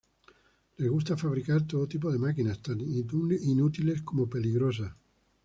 Les gusta fabricar todo tipo de máquinas, tan inútiles como peligrosas.